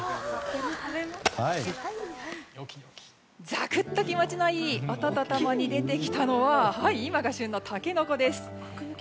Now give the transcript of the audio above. ザクッと気持ちのいい音と共に出てきたのは、今が旬のタケノコです。